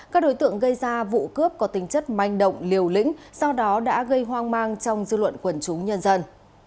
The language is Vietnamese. các đối tượng gây ra vụ cướp có tính chất manh động liều lĩnh do đó đã gây hoang mang trong dư luận quần chúng nhân dân